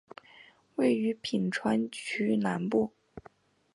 位于品川区南部。